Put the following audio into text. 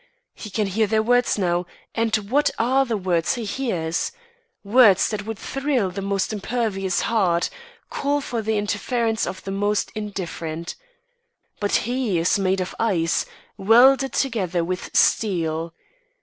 He can hear their words now and what are the words he hears? Words that would thrill the most impervious heart, call for the interference of the most indifferent. But he is made of ice, welded together with steel.